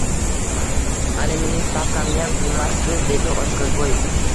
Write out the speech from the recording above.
Hali mening stavkamniyam bilmassiz, dedi Ochko`zboev